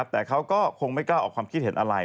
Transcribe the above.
แต่เขาก็คงไม่กล้าออกความคิดเห็นอะไร